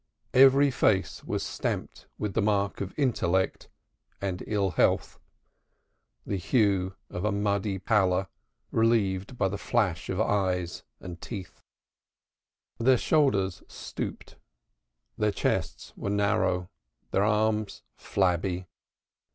Every face was stamped with the marks of intellect and ill health the hue of a muddy pallor relieved by the flash of eyes and teeth. Their shoulders stooped, their chests were narrow, their arms flabby.